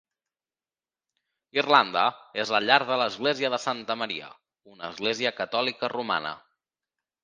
Irlanda és la llar de l'església de Santa Maria, una església catòlica romana.